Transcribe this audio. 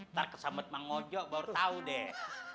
ntar kesempet mang ujo baru tau deh